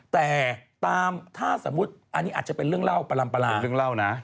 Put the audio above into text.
แต่ตามถ้าสมมุติอันนี้อาจจะเป็นเรื่องเล่าประลำประหละ